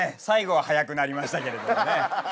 最後は速くなりましたけれどもね